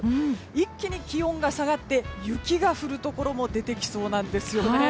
一気に気温が下がって雪が降るところも出てきそうなんですよね。